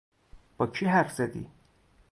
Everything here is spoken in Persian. با کی حرف زدی؟